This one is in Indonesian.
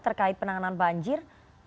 terkait penanganan banjir